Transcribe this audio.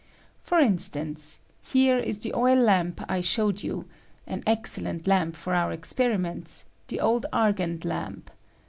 For instance, here is the oil lamp I showed jou — an excellent lamp for our experiments — the old Argand lamp.